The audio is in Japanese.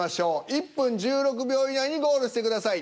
１分１６秒以内にゴールしてください。